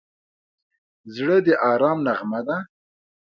زړه د ارام نغمه ده.